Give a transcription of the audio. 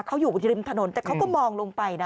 เขาอยู่ที่ริมถนนแต่เขาก็มองลงไปนะ